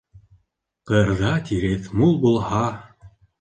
Ҡырҙа тиреҫ мул булһа